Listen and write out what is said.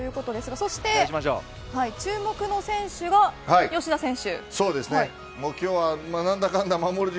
そして注目の選手は吉田選手。